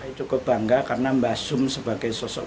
saya cukup bangga karena mbah sum sebagai sosok pembatik